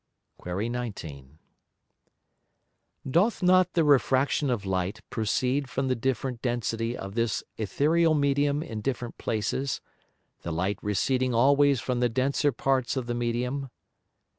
Qu. 19. Doth not the Refraction of Light proceed from the different density of this Æthereal Medium in different places, the Light receding always from the denser parts of the Medium?